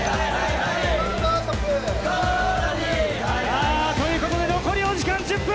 さあということで残りお時間１０分